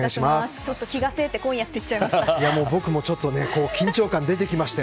ちょっと気が急いて今夜と言っちゃいました。